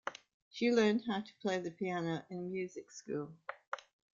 She learned how to play the piano in music school.